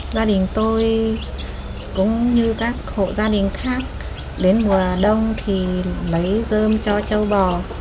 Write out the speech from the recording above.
gia đình tôi cũng như các hộ gia đình khác đến mùa đông thì mấy dơm cho châu bò